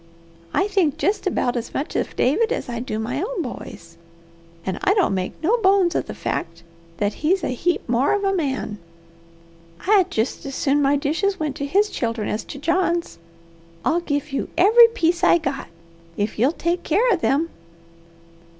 I think jest about as much of David as I do my own boys, and I don't make no bones of the fact that he's a heap more of a man. I'd jest as soon my dishes went to his children as to John's. I'll give you every piece I got, if you'll take keer of them."